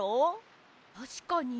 たしかに。